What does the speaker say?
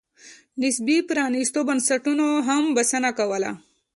نسبي پرانېستو بنسټونو هم بسنه کوله.